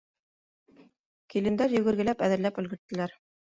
Килендәр йүгергеләп әҙерләп өлгөрттөләр.